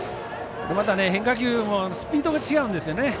また変化球もスピードが違うんですよね。